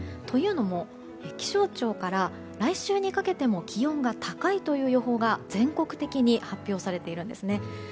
というのも気象庁から来週にかけても気温が高いという予報が全国的に発表されているんです。